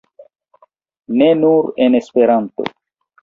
Ne nur en Esperanto.